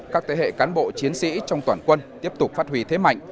các thế hệ cán bộ chiến sĩ trong toàn quân tiếp tục phát huy thế mạnh